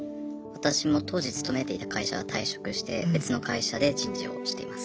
私も当時勤めていた会社は退職して別の会社で人事をしています。